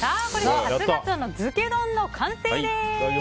初ガツオの漬け丼の完成です！